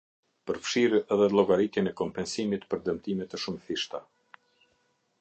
Përfshirë edhe llogaritjen e kompensimit për dëmtime të shumëfishta.